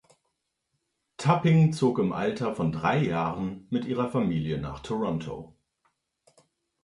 Tapping zog im Alter von drei Jahren mit ihrer Familie nach Toronto.